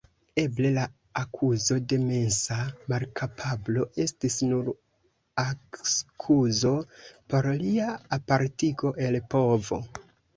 Eble la akuzo de mensa malkapablo estis nur akskuzo por lia apartigo el povo.